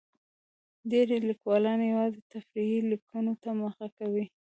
ډېری لیکوالان یوازې تفریحي لیکنو ته مخه کوي.